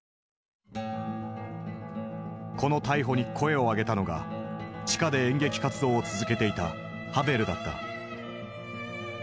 この逮捕に声を上げたのが地下で演劇活動を続けていたハヴェルだった。